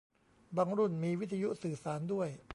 บางรุ่นมีวิทยุสื่อสารด้วย